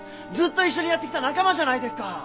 ずっと一緒にやってきた仲間じゃないですか！